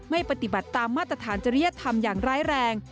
ไม่ปฏิบัติตามมาตรฐานจริยธรรมอย่างร้ายแรง